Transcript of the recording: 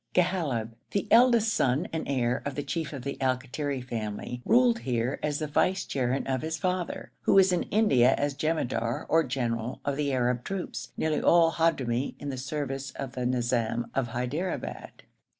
Ghalib, the eldest son and heir of the chief of the Al Kaiti family, ruled here as the vicegerent of his father, who is in India as jemadar or general of the Arab troops, nearly all Hadhrami, in the service of the Nizam of Hyderabad.